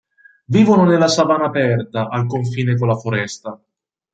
Vivono nella savana aperta, al confine con la foresta.